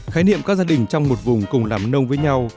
khái niệm các gia đình trong một vùng cùng làm nông với nhau